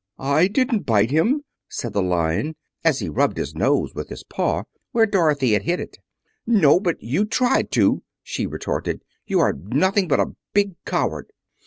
"I didn't bite him," said the Lion, as he rubbed his nose with his paw where Dorothy had hit it. "No, but you tried to," she retorted. "You are nothing but a big coward."